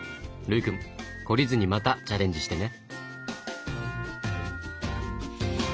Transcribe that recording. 琉くん懲りずにまたチャレンジしてね。